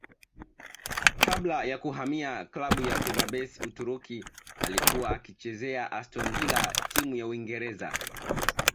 kabla ya kuhamia klabu ya Feberbahce Uturuki alikuwa akichezea Aston Villa timu ya Uingereza